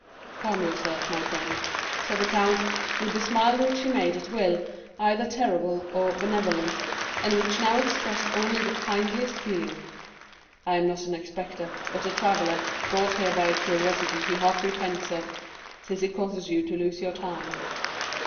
30197m "Calm yourself, my friend," said the count, with the smile which he made at will either terrible or benevolent, and which now expressed only the kindliest feeling; "I am not an inspector, but a traveller, brought here by a curiosity he half repents of, since he causes you to lose your time."